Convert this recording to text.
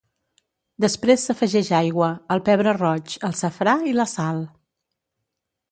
Després s'afegeix aigua, el pebre roig, el safrà i la sal.